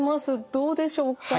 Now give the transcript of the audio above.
どうでしょうか？